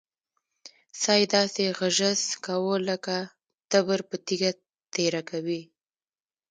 سا يې داسې غژس کوه لک تبر په تيږه تېره کوې.